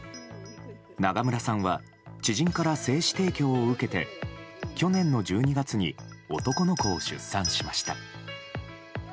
長村さんは知人から精子提供を受けて去年の１２月に男の子を出産しました。